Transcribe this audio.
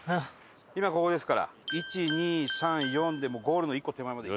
今ここですから１２３４でもうゴールの１個手前まで。